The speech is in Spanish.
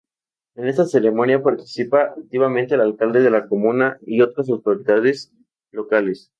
En esta ceremonia participa activamente el alcalde de la comuna y otras autoridades locales.